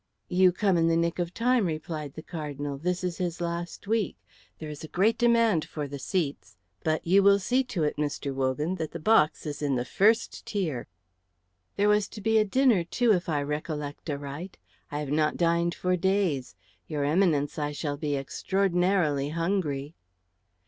"You come in the nick of time," replied the Cardinal. "This is his last week. There is a great demand for the seats; but you will see to it, Mr. Wogan, that the box is in the first tier." "There was to be a dinner, too, if I recollect aright. I have not dined for days. Your Eminence, I shall be extraordinarily hungry."